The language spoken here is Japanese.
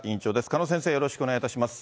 鹿野先生、よろしくお願いいたします。